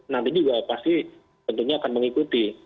nanti juga pasti tentunya akan mengikuti